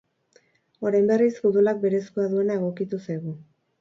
Orain berriz, futbolak berezkoa duena egokitu zaigu.